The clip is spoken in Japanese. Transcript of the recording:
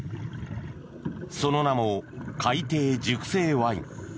その名も海底熟成ワイン。